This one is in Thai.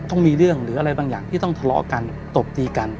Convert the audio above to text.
ต้องมีเรื่องหรืออะไรบางอย่างที่ต้องทะเลาะกันตบตีกัน